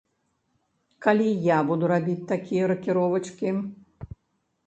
Калі я буду рабіць такія ракіровачкі?